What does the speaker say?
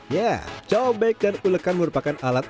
ya cobek dan ulekan merupakan alat yang sangat penting